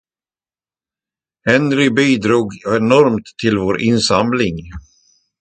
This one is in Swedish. Henry bidrog enormt till vår insamling.